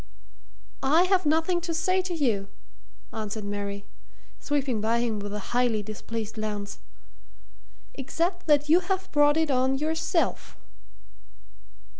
"I have nothing to say to you," answered Mary, sweeping by him with a highly displeased glance. "Except that you have brought it on yourself."